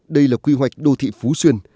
đây là quy hoạch đô thị phú xuyên